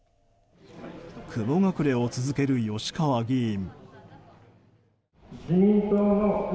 雲隠れを続ける吉川議員。